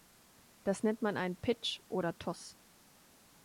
Das nennt man einen pitch oder toss.